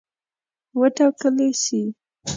وټاکلي سي.